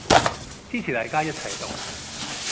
支持大家一齊毒